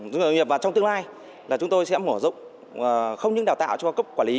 doanh nghiệp và trong tương lai là chúng tôi sẽ mở rộng không những đào tạo cho cấp quản lý